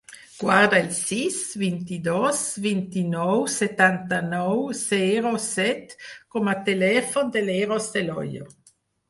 Guarda el sis, vint-i-dos, vint-i-nou, setanta-nou, zero, set com a telèfon de l'Eros Del Hoyo.